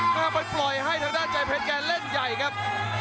ถ้ามันปล่อยให้ทางด้านใจเพชรแกเล่นใหญ่ครับ